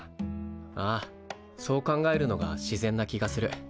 ああそう考えるのが自然な気がする。